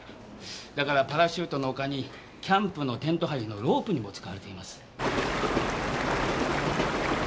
だからパラシュートの他にキャンプのテント張りのロープにも使われています。